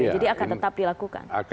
jadi akan tetap dilakukan